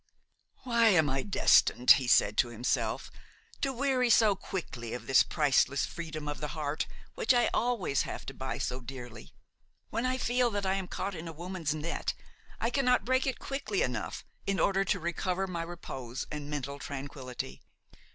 "Why am I destined," he said to himself, "to weary so quickly of this priceless freedom of the heart which I always have to buy so dearly? When I feel that I am caught in a woman's net, I cannot break it quickly enough, in order to recover my repose and mental tranquillity.